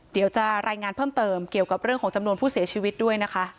เดี๋ยวจะรายงานเพิ่มเติมเกี่ยวกับเรื่องของจำนวนผู้เสียชีวิตด้วยนะคะ